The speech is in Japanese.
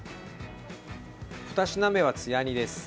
２品目はつや煮です。